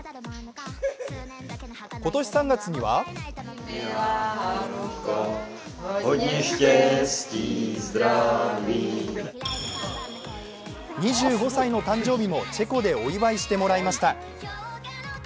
今年３月には２５歳の誕生日もチェコでお祝いしてもらいました。